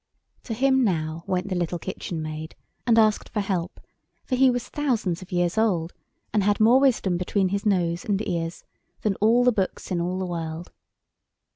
To him now went the little Kitchen Maid, and asked for help, for he was thousands of years old, and had more wisdom between his nose and ears than all the books in all the world.